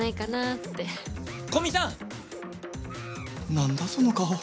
何だその顔。